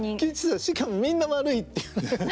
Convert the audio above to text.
しかもみんな悪いっていうね。